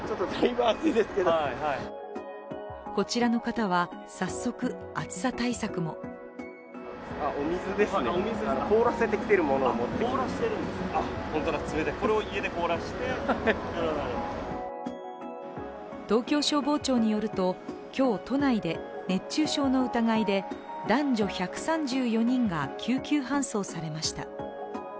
こちらの方は早速、暑さ対策も東京消防庁によると今日、都内で熱中症の疑いで男女１３４人が救急搬送されました。